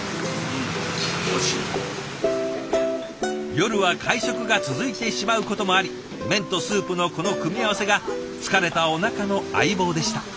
夜は会食が続いてしまうこともあり麺とスープのこの組み合わせが疲れたおなかの相棒でした。